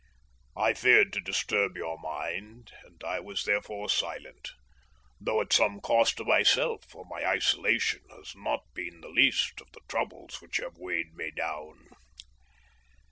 I feared to disturb your mind, and I was therefore silent, though at some cost to myself, for my isolation has not been the least of the troubles which have weighed me down.